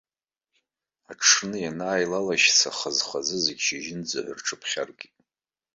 Аҽны ианааилалашьца хазы-хазы зегьы шьыжьынӡа ҳәа рыҽԥхьаркит.